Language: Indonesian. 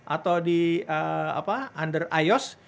atau di under ios